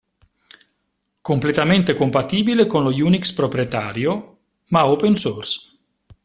Completamente compatibile con lo Unix proprietario, ma Open Source.